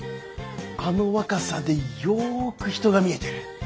あの若さでよく人が見えてる。